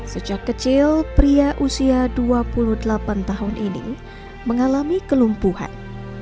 sejak kecil pria usia dua puluh delapan tahun ini mengalami kelumpuhan